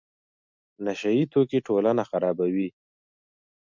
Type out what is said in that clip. نشه یي توکي ټولنه خرابوي.